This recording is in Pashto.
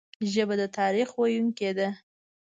ژبه د تاریخ ویونکي ده